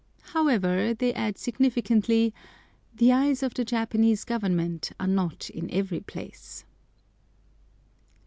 However, they add significantly, "the eyes of the Japanese Government are not in every place!"